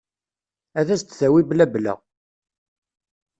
Ad as-d-tawi blabla.